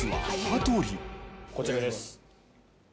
こちらです。